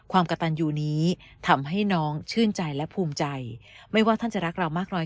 ความกระตันยูนี้ทำให้น้องชื่นใจและภูมิใจไม่ว่าท่านจะรักเรามากน้อย